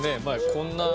こんな。